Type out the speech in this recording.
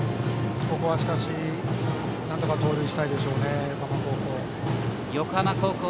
ここは、しかしなんとか盗塁したいですね横浜高校。